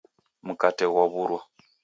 Mkate ghwaw'urwa.